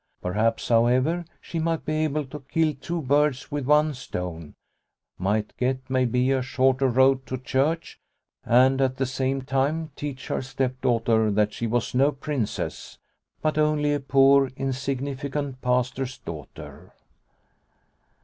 Perhaps, however, she might be able to kill two birds with one stone ; might get, maybe, a shorter road to church and, at the same time, teach her stepdaughter that she was no princess, but only a poor, insignificant Pastor's daughter.